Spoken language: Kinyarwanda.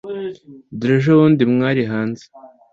dore ejobundi mwari hanze